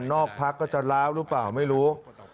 พักก็จะล้าวหรือเปล่าไม่รู้